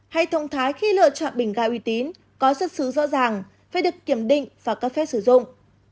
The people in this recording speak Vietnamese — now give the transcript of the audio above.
hay thông thái khi lựa chọn bình ga uy tín có xuất xứ rõ ràng phải được kiểm định và cấp phép sử dụng